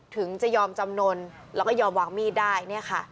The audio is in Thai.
ถึงจะยอมจำนวนแล้วก็ยอมวางมีดได้